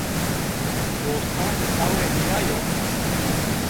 Bostan awe dîyayo